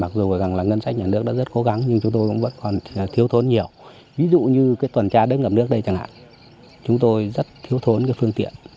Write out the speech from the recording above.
cũng là một trong những ví dụ khó khăn